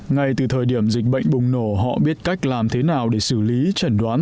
ngay từ thời điểm dịch bệnh bùng nổ họ biết cách làm thế nào để xử lý chẩn đoán